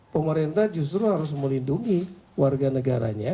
pemerintah justru harus melindungi warga negaranya